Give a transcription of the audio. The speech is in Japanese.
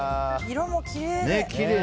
色もきれい。